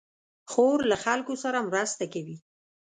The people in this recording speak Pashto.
خور له خلکو سره مرسته کوي.